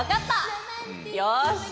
よし！